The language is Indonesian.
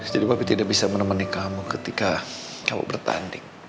jadi papi tidak bisa menemani kamu ketika kamu bertanding